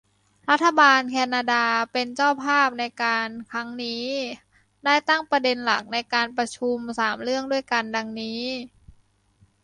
รัฐบาลแคนนาดาเป็นเจ้าภาพในการครั้งนี้ ได้ตั้งประเด็นหลักในการประชุม สาม เรื่องด้วยกัน ดังนี้